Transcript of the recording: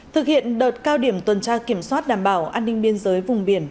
thực hiện đợt cao điểm tuần tra kiểm soát đảm bảo an ninh biên giới vùng biển